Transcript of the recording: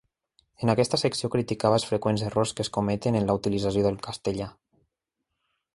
En aquesta secció criticava els freqüents errors que es cometen en la utilització del castellà.